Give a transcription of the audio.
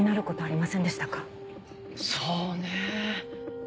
そうねえ。